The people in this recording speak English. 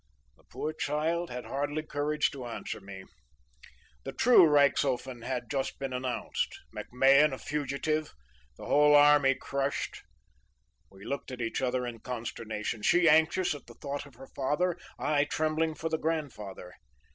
"The poor child had hardly courage to answer me. The true Reichshofen had just been announced, MacMahon a fugitive, the whole army crushed. We looked at each other in consternation, she anxious at the thought of her father, I trembling for the grandfather.